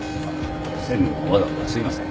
専務もわざわざすいません。